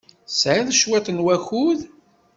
Tesɛiḍ cwiṭ n wakud?